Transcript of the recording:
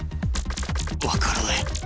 わからない。